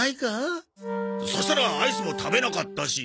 そしたらアイスも食べなかったし。